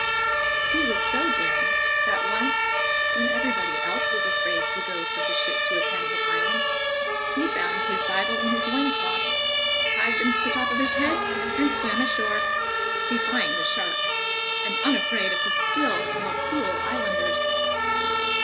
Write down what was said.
He was so daring that once, when everybody else was afraid to go from the ship to a cannibal island, he bound his Bible in his loin cloth, tied them to the top of his head, and swam ashore, defying the sharks, and unafraid of the still more cruel islanders.